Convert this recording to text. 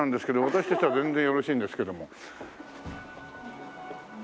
私としては全然よろしいんですけども。